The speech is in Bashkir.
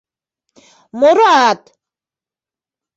Морат!